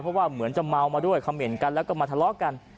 เพราะว่าเหมือนจะเมามาด้วยคำเหม็นกันแล้วก็มาทะเลาะกัน